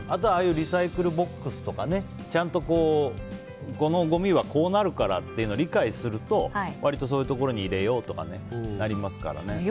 ああいうリサイクルボックスとかちゃんと、このごみはこうなるからって理解すると割と、そういうところに入れようとかなりますからね。